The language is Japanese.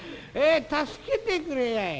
助けてくれやい。